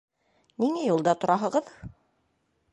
Ниңә юлда тораһығыҙ?